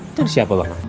itu siapa bang